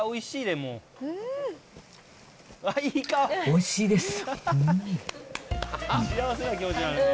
おいしいです。